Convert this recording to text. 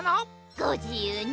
ごじゆうに。